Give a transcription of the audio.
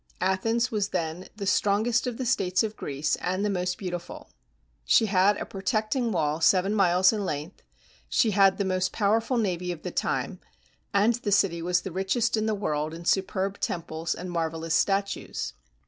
Athens was then the strongest of the states of Greece and the most beautiful. She had a protecting wall seven miles in length; she had the most powerful navy of the time, and the city was the richest in the world in superb temples and marvelous statues.